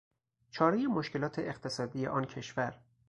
چارهی مشکلات اقتصادی آن کشور